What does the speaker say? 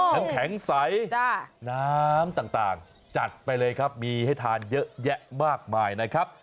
น้ำแข็งใสน้ำต่างจัดไปเลยครับมีให้ทานเยอะแยะมากมายนะครับ